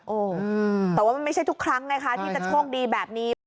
โอ้โหแต่ว่ามันไม่ใช่ทุกครั้งไงคะที่จะโชคดีแบบนี้